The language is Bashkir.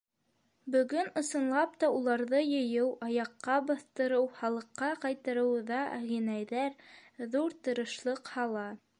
Бөгөн, ысынлап та, уларҙы йыйыу, аяҡҡа баҫтырыу, халыҡҡа ҡайтарыуҙа ағинәйҙәр ҙур тырышлыҡ һала.